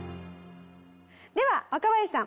では若林さん。